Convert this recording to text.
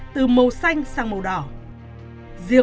từ màu xanh sang màu đỏ